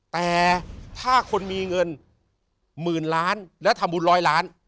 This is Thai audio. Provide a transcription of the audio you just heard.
แต่ถ้าคนมีเงินหมื่นล้านแล้วทำบุญร้อยล้าน